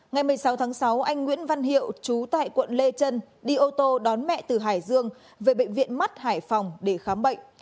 ngày một mươi sáu tháng sáu anh nguyễn văn hiệu chú tại quận lê trân đi ô tô đón mẹ từ hải dương về bệnh viện mắt hải phòng để khám bệnh